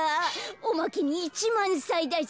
おまけに１まんさいだし。